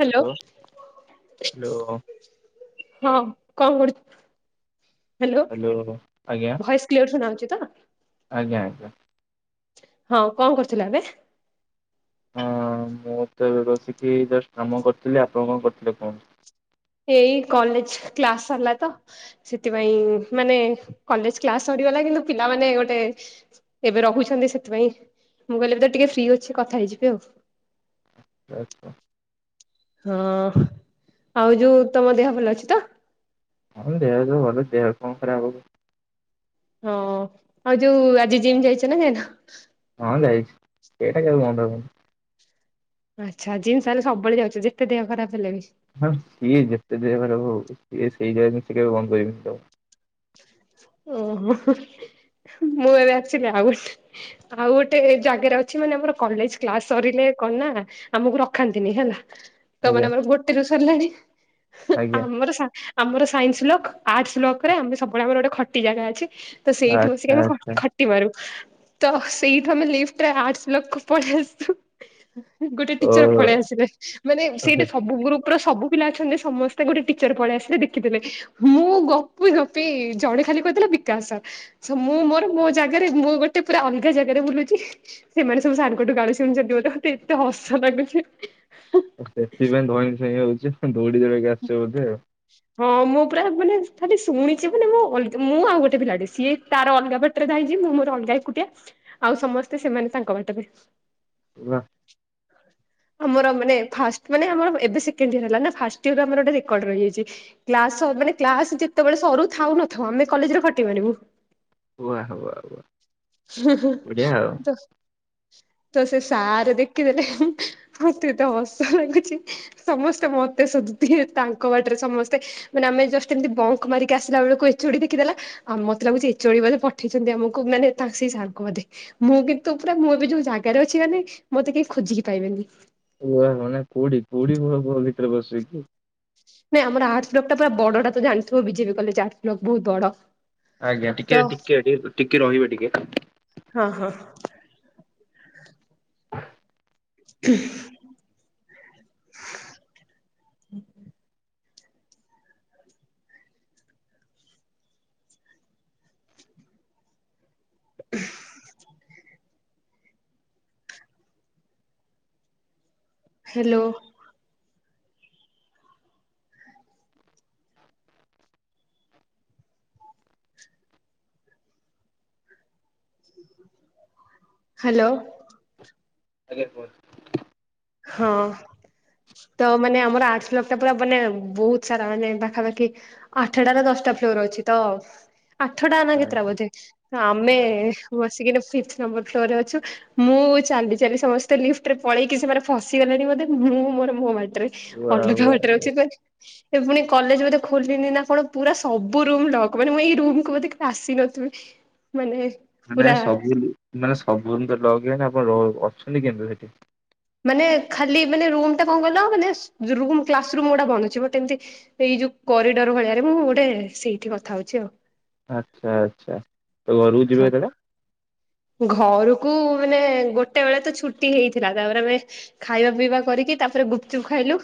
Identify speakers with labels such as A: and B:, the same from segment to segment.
A: Hello,
B: hello
A: ହଁ! କଣ କରୁଛୁ? ହ୍ୟାଲୋ!
B: ହ୍ୟାଲୋ ଆଜ୍ଞା
A: ଭଏସ୍ କ୍ଲିୟର ଶୁଣାହଉଛି ତ?
B: ଆଜ୍ଞା, ଆଜ୍ଞା।
A: ହଁ, କଁ କରୁଥିଲା ଏବେ?
B: ହଁ, ମୁଁ ତ ଏବେ ବସିକି ଜଷ୍ଟ କାମ କରୁଥିଲି। ଆପଣ କଣ କରୁଥିଲେ କୁହନ୍ତୁ?
A: ଏଇ କଲେଜ କ୍ଲାସ୍ ସରିଲା ତ! ସେଥିପାଇଁ ମାନେ, କଲେଜ କ୍ଲାସ ସରିଗଲା। କିନ୍ତୁ, ପିଲାମାନେ ଗୋଟେ ଏବେ ରହୁଛନ୍ତି। ସେଥିପାଇଁ ମୁଁ କହିଲି ଏବେ ତ ଟିକେ ଫ୍ରି ଅଛି, କଥା ହେଇଯିବି ଆଉ।
B: ଆଚ୍ଛା।
A: ହଁ, ଆଉ ଯୋଉ ତମ ଦେହ ଭଲ ଅଛି ତ?
B: ହଁ, ଦେହ ସବୁ ଭଲ ଅଛ, ଦେହ କଣ ଖରାପ ହବ?
A: ହଁ, ଆଉ ଯୋଉ ଆଜି ଜିମ୍ ଯାଇଛ ନା ଯାଇନ?
B: ହଁ, ଯାଇଛି ସେଇଟା କେବେ ବନ୍ଦ ହବନି।
A: ଆଚ୍ଛା ଜିମ୍ ତା, ହାଲେ ସବୁବେଳେ ଯାଉଛ! ଯେତେ ଦେହ ଖରାପ ହେଲେ ବି।
B: ହଁ ସିଏ ଯେତେ ଦେହ ଖରାପ ହଉ ସିଏ ସେଇ ଜାଗା ଜିନିଷ କେବେ ବନ୍ଦ କରିବି ତଉ।
A: ଓହୋ ମୋର ଆକ୍ଚିଆଲି ଆଉ ଆଉ ଗୋଟେ ଜାଗାରେ ଅଛି ମାନେ ଆମର କଲେଜ କ୍ଲାସ ସରିଲେ କଣ ନା ଆମକୁ ରଖାନ୍ତିନି ହେଲା। ତ ମାନେ
B: ଆଜ୍ଞା
A: ଆମର ଗୋଟେରୁ ସରିଲାଣି
B: ଆଜ୍ଞା
A: ଆମର ସା ଆମର ସାଇନ୍ସ ବ୍ଲକ, ଆର୍ଟସ ବ୍ଲକରେ ଆମ ସବୁବେଳେ ଆମର ଗୋଟେ ଖଟି ଜାଗା ଅଛି ତ ସେଇଠି ବସିକି
B: ଆଚ୍ଛା
A: ଆମେ
B: ଆଚ୍ଛା
A: ଖ ଟି ମାରୁ ତ ସେଇଠୁ ଆମେ ଲିଫ୍ଟରେ ଆର୍ଟ୍ସ ବ୍ଲକ ପଳେଇ ଆସୁ। ଗୋଟେ
B: ଓ
A: ଟିଚର ପଳେଇ ଆସିଲେ ମାନେ ସେଇଟା
B: ସେ
A: ସବୁ ଗୁରୁ ର ସବୁ ପିଲା ଅଛନ୍ତି ସମସ୍ତେ ଗୋଟେ ଟିଚର ପଳେଇ ଆସିଲେ ଦେଖିଦେଲେ। ମୁଁ ଗପି ଗପି ଜଣେ ଖାଲି କଥିଲେ ବିକାଶ ସାର୍ ମୁଁ ମୋର ମୋ ଜାଗାରେ ମୁଁ ଗୋଟେ ପୁରା ଅଲଗା ଜାଗାରେ ବୁଲୁଚି। ସେମାନେ ସବୁ ସାରଙ୍କଠୁ ଗାଳି ଶୁଣୁଛନ୍ତି ବୋଧେ, ମତେ ଏତେ ହସ ଲାଗୁଚି।
B: ସେଥିପାଇଁ ଧଇଁ ସଇଁ ହଉଚି ଦୌଡି ଦୌଡକି ଆସଛ ବୋଧେ ଆଉ।
A: ହଁ ମୁଁ ପୁରା ମାନେ ଖାଲି ଶୁଣିଚି ମାନେ ମ ଅଲଗା ମୁଁ ଆଉ ଗୋଟେ ପିଲାଟେ ସିଏ ତାର ଅଲଗା ବାଟରେ ଧାଇଚି ମୁଁ ମୋର ଅଲଗା ଏକୁଟିଆ ଆଉ ସମସ୍ତେ ସେମାନେ ତାଙ୍କ ବାଟରେ।
B: ବାଃ।
A: ଆମର ମାନେ ଫାଷ୍ଟ ମାନେ ଆମର ଏବେ ସେକଣ୍ଡ ଇୟର ହେଲା ନା ଫାଷ୍ଟ ଇର ଆମର ରେକର୍ଡ ରହିଯାଇଚି। କ୍ଲାସ ସ ମାନେ କ୍ଲାସ ଯେତେବେଳେ ସରୁ ଥାଉ ନଥାଉ ଆମେ କଲେଜରେ ଖଟି ମାରିବୁ।
B: ୱା ୱା ୱା ବଢିଆ ଆଉ
A: ତ ତ ସେ ସାର ଦେଖିଦେଲେ। ମତେ ଏତେ ହସ ଲାଗୁଚି। ସମସ୍ତେ ମତେ ଶୋଧୁ ଥିବେ ତାଙ୍କ ବାଟରେ ସମସ୍ତେ ମାନେ ଆମେ ଜଷ୍ଟ ଏମିତି ବଙ୍କ ମାରିକି ଆସିଲା ବେଳକୁ ଏଚଚୋଡି ଦେଖଦେଲା। ଆଉ ମତେ ଲାଗୁଚି ଏଚ ଓ ଡି ବଧେ ପଠେଇଚନ୍ତି ଆମକୁ ମାନେ ତା ସେଇ ସାର୍ଙ୍କୁ ବଧେ। ମୁଁ କିନ୍ତୁ ପୁରା ମୁଁ ଏବେ ଯୋଉ ଜାଗାରେ ଅଛି ମାନେ ମତେ କେହି ଖୋଜିକି ପାଇବେନି।
B: ଓ ମାନେ କୋଉଡିି କୋଉଡ଼ି ମାନ ଭିତରେ ବସିକି
A: ନାଇଁ ଆମର ଆର୍ଟ୍ସ ବ୍ଲକ ଟା ପୁରା ବଡ ଟା ତ ଜାଣିଥିବ ବିଜେପି କଲେଜ ଆର୍ଟ୍ସ ବ୍ଲକଟା ବହୁତ ବଡ।
B: ଆଜ୍ଞା
A: ତ
B: ଟିକେ ଟିକେ ଟିକେ ରହିବେ ଟିକେ।
A: ହଁ ହଁ।
B: [inaudible]
A: ହୁ। [inaudible] ହାଲୋ। ହାଲୋ।
B: ଆଜ୍ଞା କୁହନ୍ତୁ।
A: ହଁ। ତ ମାନେ ଆମର ଆର୍ଟ ବ୍ଲକ ଟା ପୁରା ମାନେ ବହୁତ ସାରା ମାନେ ପାଖାପାଖି ଆଠଟା ନା ଦଶଟା ଫ୍ଲୋର ଅଛି ତ ଆଠଟା ନା କେତେଟା ବୋଧେ? ଆମେଁ ବସିକିନା ଫିପ୍ତ ନମ୍ବର ଫ୍ଲୋର ରେ ଅଛୁ ମୁଁ ଚାଲି ଚାଲି ସମସ୍ତେ ଲିଫ୍ଟ ରେ ପଳେଇକି ସେମାନେ ଫସିଗଲେଣି ବୋଧେ ଫ ମୁଁ ମୋର ମୋ ବାଟ ରେ।
B: ଆଜ୍ଞା
A: ଅଲଗା
B: ଆଉ
A: ବାଟରେ ଅଛି ଏ ପୁଣି କଲେଜ ବଧେ ଖୋଲିନି ନା କଣ ପୁରା ସବୁ ରୁମ ଲକ୍ ମାନେ ମୁଁ ଏଇ ରୁମକୁୁ ବେ ଆସିନଥିବି। ମାନେ
B: ମାନେ
A: ପୁରା
B: ସବୁ ମାନେ ସବୁ ଏମିତି ଲକ୍ ହେଇଗଲେ ଆପଣ ଅଛନ୍ତି କେମତି ସେଠି?
A: ମାନେ ଖାଲି ମାନେ ରୁମ ଟା ଫାଙ୍କା ଗଲା ହ ମାନେ ରୁମ୍ କ୍ଲାସ ରୁମ ଗୁଟା ବନୁଛି ବଟ ଏମିତି ଏଇ ଯୋଉ କରିଡର ଭଳିଆରେ ମୁଁ ଗୋଟେ ସେଇଠି କଥା ହଉଛି ଆଉ।
B: ଆଚ୍ଛା ଆଚ୍ଛା ତ ଘରକୁ ଯିବେ କେତବେଳେ?
A: ଘରକୁ ମାନେ ଗୋଟେ ବେଳେ ତ ଛୁଟି ହେଇଥିଲା ତାପରେ ଆମେ ଖାଇବା ପିଇବା କରିକି ତାପରେ ଗୁପଚୁପ୍ ଖାଇଲୁ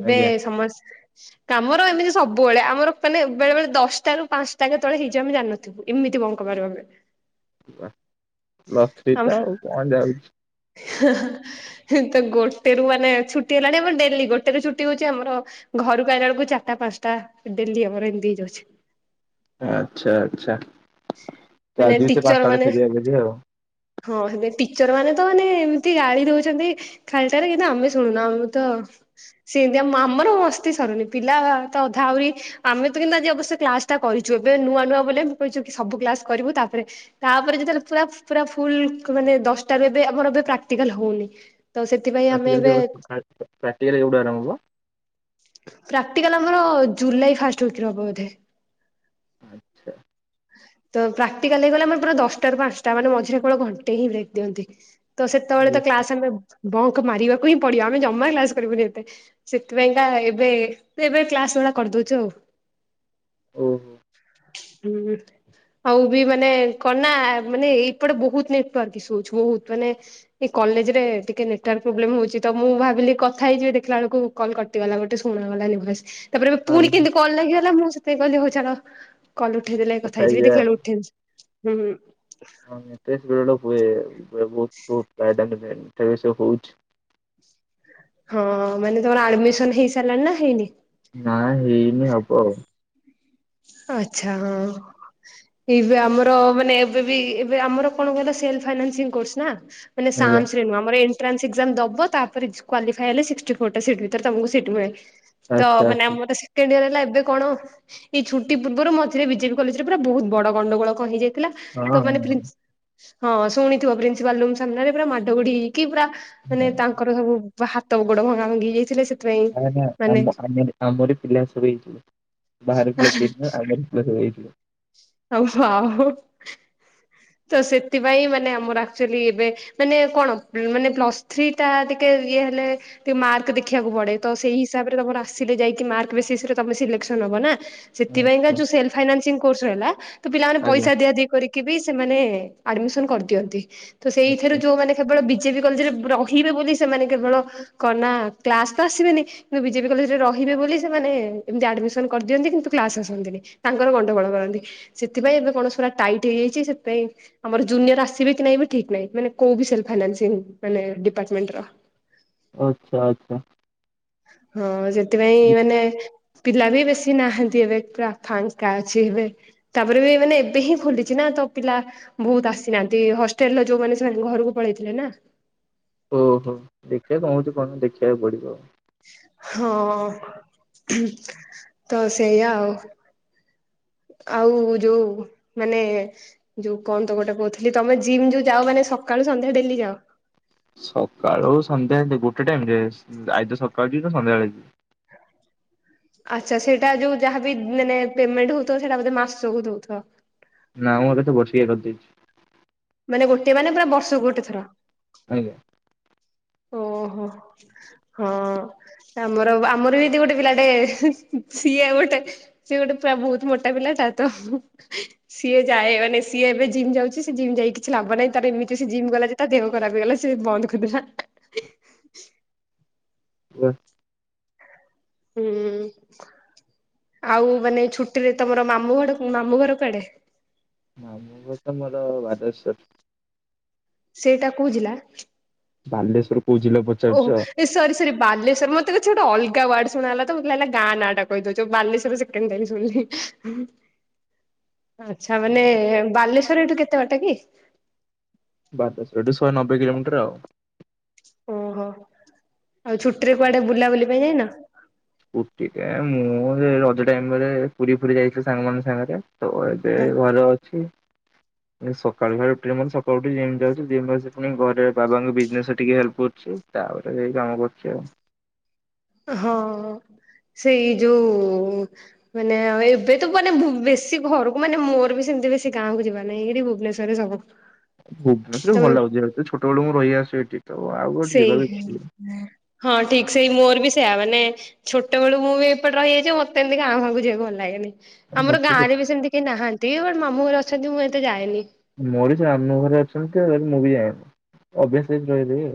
A: ଏବେ
B: ଆଜ୍ଞା
A: ସମସ୍ତ ଆମର ଏମିତି ସବୁବେଳେ ଆମର ମାନେ ବେଳେ ବେଳେ ଦଶଟାରୁ ପାଞ୍ଚଟା ତଳେ ହେଇଚି ଆମେ ଜାଣିନଥିଲିବୁ। ଏମିତି ବଙ୍କପାରୁ ଆବେ
B: ପ୍ଲସ୍
A: ଆମର
B: ଥ୍ରୀଟା ଆଉ କଣ ଯାଉଚି?
A: [unintelligible] ତ ଗୋଟେ ରୁ ମାନେ ଛୁଟି ହେଲାଣି ଡେଲି ଗୋଟେରୁ ଛୁଟି ହଉଛି ଆମର ଘରୁକୁ ଆଇଲାବେଳକୁ ଚାରିଟା ପାଞ୍ଚଟା ଡେଲି ଆମର ଏମିତି ହେଇଯାଉଛି।
B: ଆଚ୍ଛା ଆଚ୍ଛା ତ
A: ମାନେ
B: ଆଜି ସେ
A: ଟିଚର
B: ପାଞ୍ଚଟା ବେଳେ
A: ମାନେ
B: ଛଡିବା ବୋଲି ବୋଲି ଆଉ
A: ହଁ ହେଲେ ଟିଚର ମାନେ ତ ମାନେ ଏମିତି ଗାଳି ଦଉଛନ୍ତି। ଖାଲିଟାରେ କିନ୍ତୁ ଆମେ ଶୁଣୁନୁ ଆମେ ତ ସେମିତି ଆ ଆମର ମସ୍ତି ସରୁନି ପିଲା ତ ଅଧା ଆହୁରି ଆମେ ତ କିନ୍ତୁ ଆଜି ଅବଶ୍ୟ କ୍ଲାସ ଟା କରିଛୁ ଏବେ ନୂଆ ନୂଆ ବୋଲି କହିଛୁ କି ସବୁ କ୍ଲାସ କରିବୁ ତାପରେ ତାପରେ ଯେତେବେଳେ ପୁରା ପୁରା ଫୁଲ ମାନେ ଦଶଟାରୁ ଏବେ ଆମର ଏ ପ୍ରାକ୍ଟିକାଲ ହଉନି। ତ ସେଥିପାଇଁ ଆମେ ଏବେ
B: ପ୍ରାକ୍ଟିକାଲି ଏଇଟୁ ଆରମ୍ଭ ହବ।
A: ପ୍ରାକ୍ଟିକାଲ ଆମର ଜୁଲାଇ ଫାଷ୍ଟ ୱିକରେ ହବ ବୋଧେ।
B: ଆଚ୍ଛା।
A: ତ ପ୍ରାକ୍ଟକାଲ ହେଇଗଲେ ଆମର ପୁରା ଦଶଟାରୁ ପାଞ୍ଚଟା, ମାନେ ମଝିରେ କେବଳ ଘଣ୍ଟେ ହିଁ ବ୍ରେକ ଦିଅନ୍ତି। ତ ସେତେବେଳେ
B: ଆଜ୍ଞା।
A: ତ କ୍ଲାସ ଆମେ ବଙ୍କ ମାରିବାକୁ ହିଁ ପଡିବ, ଆମେ ଜମା କ୍ଲାସ କରିବୁନି ଏତେ ସେଥିପାଇଁ ଏଟା ଏବେ ଏବେ କ୍ଲାସ ଭଳିଆ କରିଦଉଛୁ।
B: ଓହୋ।
A: ହୁଁ। ଆଉ ବି ମାନେ କଣନା ମାନେ ଏଇପଟେ ବହୁତ ନେଟୱାର୍କ ଇଶୁ ହଉଛି ବହୁତ ମାନେ ଏ କଲେଜରେ ଟିକେ ନେଟୱାର୍କ ପ୍ରୋବ୍ଲେମ ହଉଛି ତ, ମୁଁ ଭାବିଲି କଥା ହେଇଯିବି ଦେଖିଲା ବେଳକୁ କଲ୍ କଟ୍ ଗଲା ଗୋଟେ ଶୁଣାଗଲାନି ଭଏସ ତାପରେ ଏବେ
B: ହଁ,
A: ପୁଣି କେମିତି କଲ ଲାଗିଗଲା ମୁଁ ସେଥିପାଇି କହଲି ହଉ ଚାଲ କଲ ଉଠେଇ ଦେଲେ କଥା ହେଇଯିବି, ଦେଖିଲା ଉଠେଇଲେ ହୁଁ।
B: ହଁ [inaudible] ହୁଏ ବହୁ ପ୍ରାୟ ଟାଇମ୍ ହଉଛି।
A: ହଁ ମାନେ ତମର ଆଡମିସନ ହେଇସାରିଲାଣି ନା ହେଇନି?
B: ନା ହେଇନି ହବ ଆଉ।
A: ଆଛା ହଁ ଏବେ ଆମର ମାନେ ଏବେ ବି ଏବେ ଆମର କଣ କହିଲ ସେଲଫାଇନାନ୍ସିଂ କୋର୍ସ୍ ନା। ମାନେ
B: ଆଜ୍ଞା
A: ସାମସରେ ନୁହ ଆମର ଇନ ଟ୍ରାନ୍ସ ଏକ୍ସାମ ଦବ ତାପରେ କ୍ୱାଲିଫାଇ ହେଲେ ସିକ୍ସଟି ଫୋରଟା ସିଟ୍ ଭିତରେ ତମକୁ ସିଟ୍ ମିଳେ। ତ
B: ଆଚ୍ଛା
A: ମାନେ
B: ଆଚ୍ଛା।
A: ଆମର ସେକେଣ୍ଡେଇୟର ହେଲା। ଏବେ କଣ? ଏଇ ଛୁଟି ପୂର୍ବରୁ ମଝିରେ ବିଜେପି କଲେଜରେ ପୁରା ବହୁତ ବଡ ଗଣ୍ଡଗୋଳକ ହେଇଯାଇଥିଲା,
B: ହଁ
A: ତ ମାନେ
B: ହଁ
A: ପ୍ରିନସି ହଁ ଶୁଣିଥିବ, ପ୍ରିନ୍ସିପାଲ ରୁମ୍ ସାମ୍ନାରେ ପୁରା ମାଡଗୁଡି କି ପୁରା ମାନେ ତା ତାଙ୍କର ସବୁ ହାତ ଗୋଡ ଭଙ୍ଗା ଭାଙ୍ଗି ଯାଇଥିଲେ, ସେ
B: ନା ନା ଆମ ଆମ ଆମରି ପିଲା ସବୁ ହେଇଥିଲେ, ବାହାର ପିଲା କେହି ନୁହେଁ ହେଇଥିବ।
A: ହଉ ହ ତ ସେଥିପାଇଁ ମାନେ ଆମର ଆକ୍ଚୁଆଲି ଏବେ ମାନେ କଣ ମାନେ ପ୍ଲସ୍ ଥ୍ରୀ ଟା ଟିକେ ଇଏ ହେଲେ ମାର୍କ ଦେଖିବାକୁ ପଡେ ତ ସେଇ ହିସାବରେ, ତମର ଆସିଲେ ଯାଇକି ମାର୍କ ବେସିସରେ ତମେ ସିଲେକ୍ସନ ହବ ନା। ସେଥିପାଇଁକା
B: ଆଚ୍ଛା।
A: ଯୋଉ ସେଲଫାଇନାସିଂ କୋର୍ସ ରହିଲା, ପିଲମାନେ
B: ଆଜ୍ଞା।
A: ପଇସା ଦିଆଦୀ କରିକି ବି ସେମାନେ ଆଡମିସନ କରିଦିଅନ୍ତି। ସେଇଥି
B: ଆଚ୍ଛା
A: ଯୋଉମାନେ କେବଳ ବିଜେପି କଲେଜରେ ରହିବେ ବୋଲି। ସେମାନେ କେବଳ କଣନା କ୍ଲାସ ତ ଆସିବେନି। କିନ୍ତୁ ବିଜେପି କଲେଜରେ ରହିବେ ବୋଲି ସେମାନେ ଏମିତି ଆଡମିସନ କରିଦିଅନ୍ତି କିନ୍ତୁ କ୍ଲାସ ଆସନ୍ତିନି। ତାଙ୍କର ଗଣ୍ଡଗୋଳ କରନ୍ତି, ସେଥିପାଇଁ ଏବେ କଣ ପୁରା ଟାଇଟ୍ ହେଇଯାଇଛି ସେଥିପାଇଁ ଆମର ଜୁନିୟର ଆସିବେ କି ନାହିଁ ଠିକ ନାହିଁ, ମାନେ କୋଉ ବିଷୟରେ ଫାଇନାନ୍ସ ହେଇନି ଡିପାର୍ଟମେଣ୍ଟର
B: ଓ ଆଚ୍ଛା ଆଚ୍ଛା।
A: ହଁ ସେଥିପାଇଁ ମାନେ ପିଲା ବି ବେଶୀ ନାହାନ୍ତି, ଏବେ ପୁରା ଫାଙ୍କା ଅଛି ଏବେ। ତାପରେ ବି ମାନେ ଏବେ ହିଁ ଖୋଲିଛି ନା ତ ପିଲା ବହୁତ ଆସିନାହାନ୍ତି, ହଷ୍ଟେଲରେ ଯୋଉମାନେ ସେମାନେ ଘରକୁ ପଳେଇଥିଲେ ନା
B: ଓହୋ ଦେଖିବାକୁ କଣ ହଉ, କଣ ଦେଖିବାକୁ ପଡ଼ିବ ଆଉ
A: ହଁ ତ ସେଇଆ ଆଉ। ଆଉ ଯୋଉ ମାନେ ଯୋଉ କଣ ତ ଗୋଟେ କହୁଥିଲି? ତମେ ଜିମ୍ ଯୋଉ ଯାଅ ମାନେ ସକାଳୁ ସନ୍ଧ୍ୟା ଡେଲି ଯାଅ?
B: ସକାଳୁ ସନ୍ଧ୍ୟା ଗୋଟେ ଟାଇମରେ ଅଁ ଆଇଦର ସକାଳୁ ଯିବି କି ସନ୍ଧ୍ୟାବେଳେ ଯିବି।
A: ଆଚ୍ଛା ସେଇଟା ଯୋଉ ଯାହାବି ମାନେ ପେମେଣ୍ଟ ହଉଥିବ ସେଇଟା ବୋଧେ ମାସକୁ ଦଉଥିବ?
B: ନା ମୁଁ ଏବେ ତ ବର୍ଷିକିଆ କରି ଦେଇଛି।
A: ମାନେ ଗୋଟେ ମାନେ ପୁରା ବର୍ଷକୁ ଗୋଟେ ଥର।
B: ଆଜ୍ଞା।
A: ଓହୋ, ହଁ। ଆମର ଆମର ବି ଏମତି ଗୋଟେ ପିଲାଟେ ସିଏ ଗୋଟେ ସେ ଗୋଟେ ପୁରା ବହୁତ ମୋଟା ପିଲାଟା ତ ସିଏ ଯାଏ ମାନେ ସିଏ ଏବେ ଜିମ୍ ଯାଉଛି, ସେ ଜିମ୍ ଯାଇକି କିଛି ଲାଭ ନାହିଁ। ତାର ଏମିତି ସିଏ ଜିମ୍ ଗଲା ଯେ ତା ଦେହ ଖରାପ ହେଇଗଲା ସେ ବନ୍ଦ କରି ଦେଲା।
B: ହେଲୋ।
A: ହୁଁ ଆଉ ମାନେ ଛୁଟିରେ ତମର ମାମୁଁ ଘର ମାମୁଁ ଘର କୁଆଡେ?
B: ମାମୁଁ ଘରତ ମୋର ବାଲେଶ୍ୱର।
A: ସେଇଟା କୋଉ ଜିଲ୍ଲା?
B: ବାଲେଶ୍ଵର କୋଉ ଜିଲ୍ଲା ପ
A: ଓହୋ। ଏ ସରି ସରି ବାଲେଶ୍ୱର ମତେ କିଛି ଗୋଟ ଅଲଗା ୱାର୍ଡ ଶୁଣା ଗଲା ତ ମୋତେ ଲାଗିଲା ଗାଁ ନାଁ ଟା କହିଦଉଚ ବାଲେଶ୍ୱର ସେ [inaudible] ଶୁଭୁଛି। ଆଚ୍ଛା ମାନେ ବାଲେଶ୍ଵର ଏଠୁ କେତେ ବାଟ କି?
B: ବାଲେ ଏଠୁ ଶହେ ନବେ କିଲୋମିଟର ଆଉ।
A: ଓହୋ ଆଉ ଛୁଟି ରେ କୁଆଡେ ବୁଲାବୁଲି ପାଇଁ ଯାଇନ?
B: ଛୁଟିରେ ମୁଁ ରଜ ଟାଇମରେ ପୁରୀ ଫୁରୀ ଯାଇଥିଲି ସାଙ୍ଗ ମାନଙ୍କ ସାଙ୍ଗରେ ତ ସେ
A: ହଁ
B: ଘରେ ଅଛି। ମୁଁ ସକାଳୁ [unintelligible] ସକାଳୁ ଉଠି ଜିମ୍ ଯାଉଛି ପୁଣି ଘରେ ବାବାଙ୍କ ବିଜନେସ ଟିକେ ହେଲ୍ପ କରୁଛି। ତାପରେ ଯୋଉ କାମ କରୁଚି ଆଉ।
A: ହଁ ସେଇ ଯୋଉ ମାନେ ଆଉ ଏବେ ତ ମାନେ ଭୂ ବେଶୀ ଘରକୁ ମାନେ ମୋର ବି ସେମିତି ବେଶୀ ଗାଁ କୁ ଯିବାନହିଁ ଏଠି ଭୁବନେଶ୍ୱରରେ ସବୁ।
B: ଭୁବନେଶ୍ଵରରେ ଭଲ
A: ତମେ
B: ଲାଗୁଛି ଯେହେତୁ ଛୋଟବେଳୁ ମୁଁ ରହି ଆସୁଚି ଏଠି। ତ ଆଉ କୁଆଡେ ଯିବାକୁ
A: ସେଇ
B: ଇଚ୍ଛା ନାହିଁ।
A: ହଁ ଠିକ ସେଇ ମୋର ବି ସେଇୟା ମାନେ ଛୋଟବେଳୁ ମୁଁ ବି ଏପଟେ ରହିଯାଇଛି ମତେ ଏମତି ଗାଁ ଫାଁ କୁ ଯିବାକୁ ଭଲ ଲାଗେନି। ଆମର
B: ମତେ ସେ
A: ଗାଁରେ ବି ସେମିତି କେହି ନାହାନ୍ତି ବଟ୍ ମାମୁଁ ଘରେ ଅଛନ୍ତି ମୁଁ ଏତେ ଯାଏନି।
B: ମୋର ସେ ମାମୁଁ ଘରେ ଅଛନ୍ତି ମୁଁ ବି ଯାଏନି ଅଭ୍ୟାସ [unintelligible]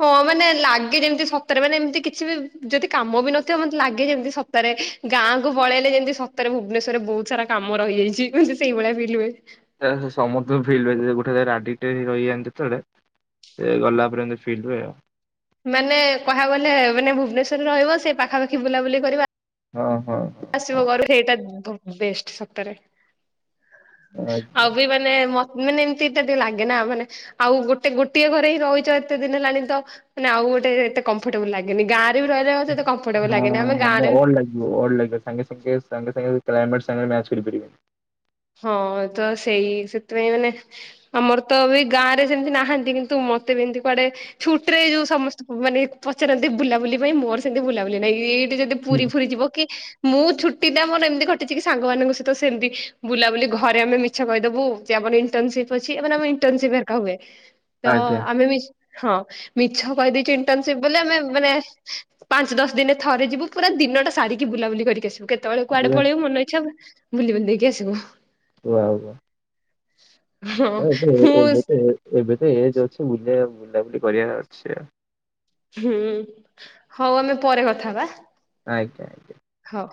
A: ହଁ ମାନେ ଲାଗେ ଯେମିତି ସତରେ ମାନେ ଏମିତି କିଛି ବି ଯଦି କାମ ବି ନଥିବ ମତେ ଲାଗେ ଯେମିତି ସ ସତରେ ଗାଁ କୁ ପଳେଇଲେ ଯେମିତି ସତରେ ଭୁବନେଶ୍ଵରରେ ବହୁତ ସାରା କାମ ରହିଯାଇଛି ମୋତେ ସେଇଭଳିଆ ଫିଲ ହୁଏ।
B: ସେଇରା ସମସ୍ତେ ଙ୍କୁ ଫିଲ୍ ହୁଏ ଗୋଟେ ଜାଗାରେ ଆଡିଟେକ୍ଟ ହେଇଯାନ୍ତି ଯେତେବେଳ ସେ ଗଲା ପରେ ଏମତି ଫିଲ୍ ହୁଏ।
A: ମାନେ ତାହା ଗଲେ ମାନେ ଭୁବନେଶ୍ବରରେ ରହିବ ସେ ପାଖାପାଖି ବୁଲାବୁଲି କରିବ।
B: ଓ ହୋ ହୋ।
A: [unintelligible] ସେଇଟା ବ ବୁ ବେଷ୍ଟ୍ ସତରେ
B: ଆଜ୍ଞା।
A: ଆଉ [unintelligible] ମାନେ ମାନେ ଏମିତିଟା ଟିକେ ଲାଗେ ନା ମାନେ ଆଉ ଗୋଟେ ଗୋଟିଏ ଘରେ ହିଁ ରହୁଛୁ ଏତେ ଦିନ ହେଲାଣି ତ ମାନେ ଆଉ ଗୋଟେ ଏତେ କମ୍ଫଟେବୁଲ ଲାଗେନି ଗାଁ ରେ ବି ରହିଲେ ମତ ତ
B: ହଁ ଅଡ ଲାଗିବ ଅଡ ଲାଗିବ ସାଙ୍ଗେ ସାଙ୍ଗେ ସାଙ୍ଗେ ସାଙ୍ଗେ କ୍ଲାଇମେଟ୍ ସାଙ୍ଗ ରେ ମ୍ୟାଚ କରିପାରିବନି।
A: ହଁ ତ ସେଇ ସେଥିପାଇଁ ମାନେ ଆମର ତ ବି ଗାଁ ରେ ସେମିତି ନାହାନ୍ତି କିନ୍ତୁ ମତେ ବି ଏମିତି କୁଆଡେ ଛୁଟି ରେ ଯୋଉ ସମସ୍ତଙ୍କୁ ମାନେ ପଚାରନ୍ତି ବୁଲାବୁଲି ପାଇଁ ମୋର ସେମିତି ବୁଲାବୁଲି ନାହିଁ ଏଇଟି ଯଦି
B: ହୁଁ
A: ପୁରୀ ଫୁରି ଯିବ କି, ମୁଁ ଛୁଟି ଟା ମୋର ଏମିତି କଟିଛି କି ସାଙ୍ଗମାନଙ୍କ ସହିତ ସେମିତି ବୁଲାବୁଲି ଘରେ ଆମେ ମିଛ କହିଦବୁ, ଯେ ଆମର ଇଣ୍ଟନସିପ ଅଛି, ମାନେ ଆମର ଇଣ୍ଟନସିପ ହୁଏ। ତ
B: ଆଜ୍ଞା।
A: ଆମେ ହଁ ମିଛ କହିଦେଉଛୁ ଇଣ୍ଟର୍ନସିପ ବୋଲି, ଆମେ ମାନେ ପାଞ୍ଚ ଦଶ ଦିନ ଥରେ ଯିବୁ, ପୁରା ଦିନଟା ସାରିକି ବୁଲାବୁଲି କରିକି ଆସିବୁ କେତେ କେତେବେଳେ କୁଆଡେ ପଳେଇବୁ, ମନ ଇଛା ବୁଲି ବୁଲି ଦେଇକି ଆସିବୁ।
B: ୱା ୱା ହଁ ଏବେ ଏବେ ତ ଏବେ ତ ଏଜ ଅଛି ବୁ ବୁଲାବୁଲି କରିବାର ଅଛି।
A: ହୁଁ ହଉ ଆମେ ପରେ କଥା ହେବା?
B: ଆଜ୍ଞା ଆଜ୍ଞା।
A: ହଉ